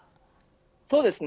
そうですね。